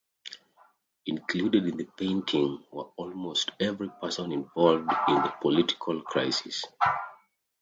Included in the painting were almost every person involved in the political crisis.